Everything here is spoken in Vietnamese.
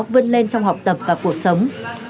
vươn lên trong học tập và cuộc sống